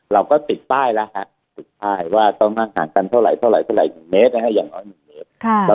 เราก็ติดป้ายแล้วค่ะว่าต้องนั่งห่างทั้งอังกฤษ๑เมตร